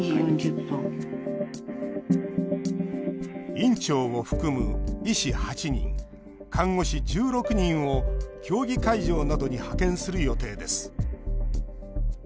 院長を含む医師８人、看護師１６人を競技会場などに派遣する予定です。